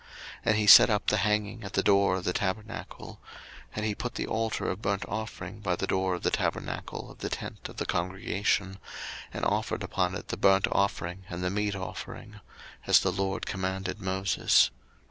02:040:028 And he set up the hanging at the door of the tabernacle. 02:040:029 And he put the altar of burnt offering by the door of the tabernacle of the tent of the congregation, and offered upon it the burnt offering and the meat offering; as the LORD commanded Moses.